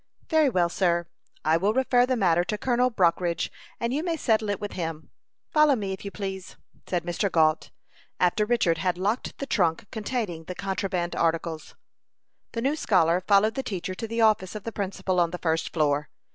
"Very well, sir. I will refer the matter to Colonel Brockridge, and you may settle it with him. Follow me, if you please," said Mr. Gault, after Richard had locked the trunk containing the contraband articles. The new scholar followed the teacher to the office of the principal on the first floor.